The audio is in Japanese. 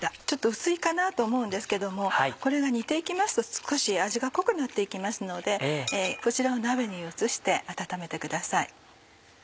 ちょっと薄いかなと思うんですけどもこれが煮て行きますと少し味が濃くなって行きますのでこちらを鍋に移して温めてください。